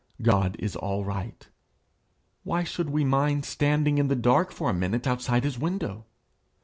God is all right why should we mind standing in the dark for a minute outside his window?